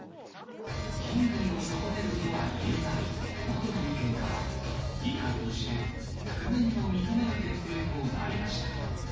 品位を損ねるとは言えないなどの意見から、議会として、覆面を認める決定となりました。